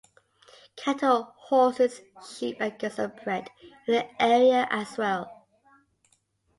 Cattle, horses, sheep and goats are bred in the area as well.